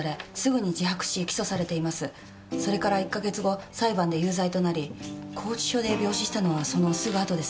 それから１か月後裁判で有罪となり拘置所で病死したのはそのすぐ後です。